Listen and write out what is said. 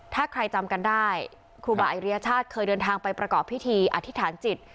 ถ้าใครจำกันได้ครูบาอิริยชาติเคยเดินทางไปประกอบพิธีอธิษฐานจิต